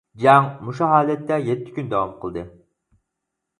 جەڭ مۇشۇ ھالەتتە يەتتە كۈن داۋام قىلدى.